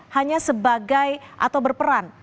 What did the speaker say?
hanya sebagai atau berperan